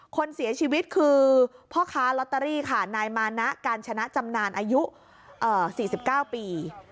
คนเสียชีวิตคือพ่อค้าลอตเตอรี่ค่ะนายมานะการชนะจำนานอายุ๔๙ปี